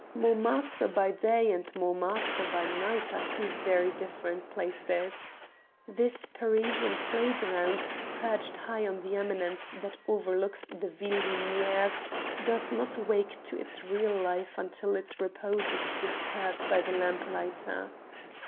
Montmartre by day and Montmartre by night are two very different places. This Parisian playground, perched high on the eminence that overlooks the Ville Lumière, does not wake to its real life until its repose is disturbed by the lamplighter.